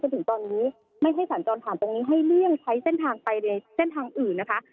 ถึงตอนนี้ไม่ให้สัญจรผ่านตรงนี้ให้เลี่ยงใช้เส้นทางไปในเส้นทางอื่นนะคะ